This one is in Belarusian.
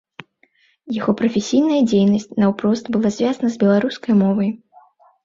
Яго прафесійная дзейнасць наўпрост была звязана з беларускай мовай.